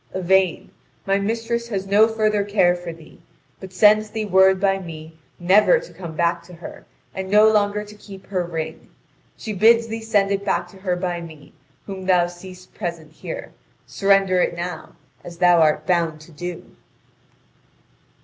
Yvain, my mistress has no further care for thee, but sends thee word by me never to come back to her, and no longer to keep her ring. She bids thee send it back to her by me, whom thou seest present here. Surrender it now, as thou art bound to do."